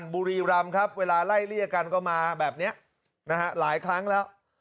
บุรีรำครับเวลาไล่เลี่ยกันก็มาแบบนี้นะฮะหลายครั้งแล้ว